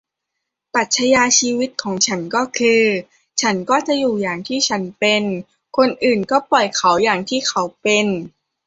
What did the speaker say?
ปรัชญาชีวิตของฉันก็คือ ฉันก็อยู่อย่างที่ฉันเป็น คนอื่นก็ปล่อยเขาอย่างที่เขาเป็น